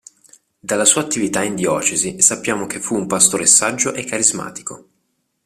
Della sua attività in diocesi sappiamo che fu un pastore saggio e carismatico.